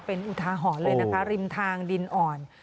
เป็นอุทาหรณ์เลยนะคะริมทางดินอ่อน